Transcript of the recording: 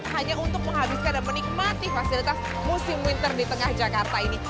hanya untuk menghabiskan dan menikmati fasilitas musim winter di tengah jakarta ini